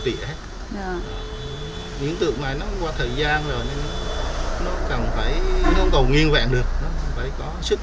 chị hết những tượng này nó qua thời gian rồi nên nó càng phải nó còn nguyên vẹn được nó phải có sức